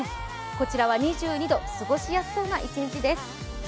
こちらは２２度過ごしやすそうな一日です。